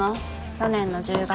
去年の１０月。